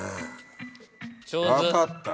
分かった。